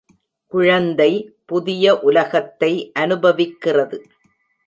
குழந்தை புதிய உலகத்தை அனுபவிக்கிறது